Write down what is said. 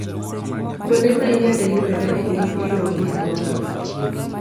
Kuonde ma yiende yudore e piny, iluongogi ni bunge